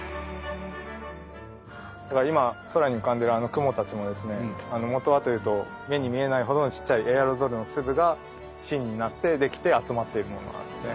だから今空に浮かんでるあの雲たちもですねもとはというと目に見えないほどのちっちゃいエアロゾルの粒が芯になってできて集まっているものなんですね。